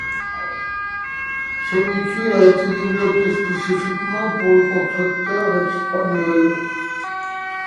Ce véhicule a été développé spécifiquement pour le constructeur espagnol.